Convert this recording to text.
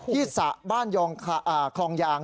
ที่สระบ้านยองคลองยาง